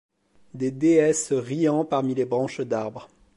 Des déesses riant parmi les branches d'arbre